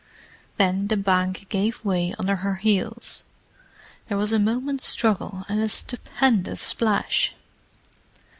Then the bank gave way under her heels: there was a moment's struggle and a stupendous splash.